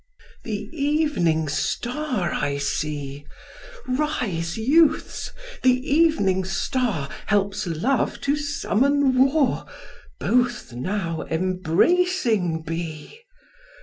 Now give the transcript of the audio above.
The evening star I see: Rise, youths! the evening star Helps Love to summon war; Both now embracing be.